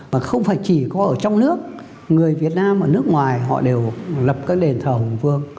và không phải chỉ có ở trong nước người việt nam ở nước ngoài họ đều lập các đền thờ hùng vương